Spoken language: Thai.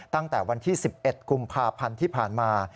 ตั้งแต่วันที่๑๑กุมภาพันธ์ที่ผ่านมา